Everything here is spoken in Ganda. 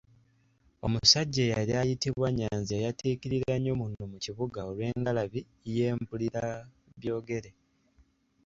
Omusajja eyali ayiytibwa Nnyanzi yayatiikirira nnyo muno mu kibuga olw’engalabi ye Mpulirabyogere.